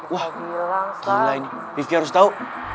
wah gila ini vivky harus tau